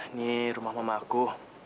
ini rumah mama aku